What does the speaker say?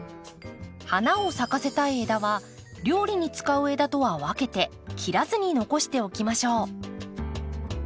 花を咲かせたい枝は料理に使う枝とは分けて切らずに残しておきましょう。